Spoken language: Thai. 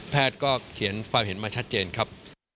ก็เขียนความเห็นมาชัดเจนครับ